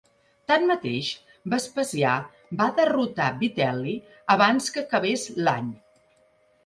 Tanmateix, Vespasià va derrotar Vitel·li abans que acabés l'any.